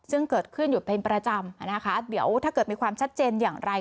ซึ่งเกิดขึ้นอยู่เป็นประจำนะคะเดี๋ยวถ้าเกิดมีความชัดเจนอย่างไร